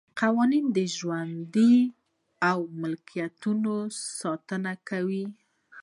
قوانین د ژوند او ملکیت ساتنه کوي.